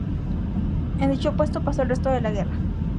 En dicho puesto pasó el resto de la guerra.